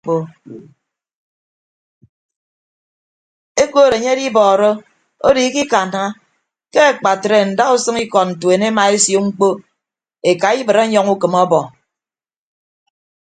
Ekod enye edibọọrọ odo ikikanna ke akpatre ndausʌñ ikọd ntuen emaesio mkpọ ekaibịd ọnyọñ ukịm ọbọ.